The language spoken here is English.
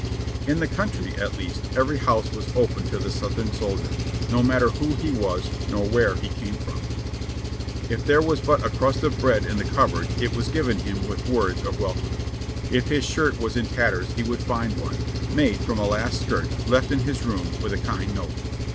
In the country, at least, every house was open to the Southern soldier, no matter who he was nor where he came from. If there was but a crust of bread in the cupboard it was given him with words of welcome. If his shirt was in tatters he would find one, made from a last skirt, left in his room with a kind note.